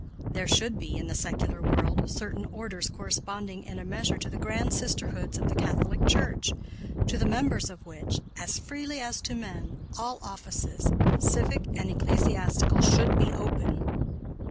There should be, in the secular world, certain orders corresponding in a measure to the grand sisterhoods of the Catholic Church, to the members of which, as freely as to men, all offices, civic and ecclesiastical, should be open."